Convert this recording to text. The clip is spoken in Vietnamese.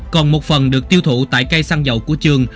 còn một phần được tiêu thụ tại cây xăng dầu của trường